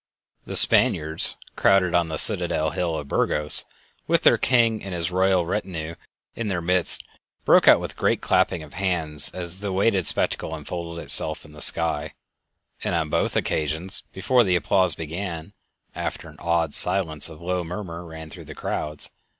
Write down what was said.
The Spaniards, crowded on the citadel hill of Burgos, with their king and his royal retinue in their midst, broke out with a great clapping of hands as the awaited spectacle unfolded itself in the sky; and on both occasions, before the applause began, after an awed silence a low murmur ran through the crowds.